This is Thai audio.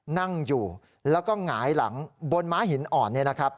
นั่งอยู่แล้วก็หงายหลังบนม้าหินอ่อน